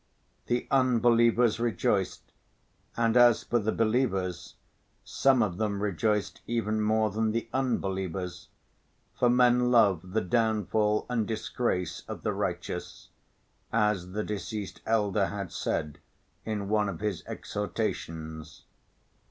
The unbelievers rejoiced, and as for the believers some of them rejoiced even more than the unbelievers, for "men love the downfall and disgrace of the righteous," as the deceased elder had said in one of his exhortations.